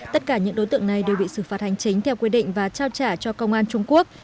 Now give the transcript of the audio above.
tất cả những đối tượng này đều bị xử phạt hành chính theo quy định và trao trả cho công an trung quốc